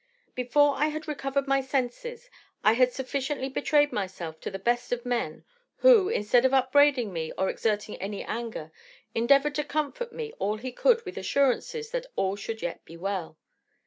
Before I had recovered my senses I had sufficiently betrayed myself to the best of men, who, instead of upbraiding me, or exerting any anger, endeavoured to comfort me all he could with assurances that all should yet be well.